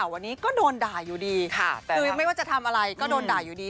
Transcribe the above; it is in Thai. วันนี้ก็โดนด่าอยู่ดีคือไม่ว่าจะทำอะไรก็โดนด่าอยู่ดี